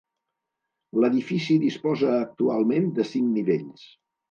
L'edifici disposa actualment de cinc nivells.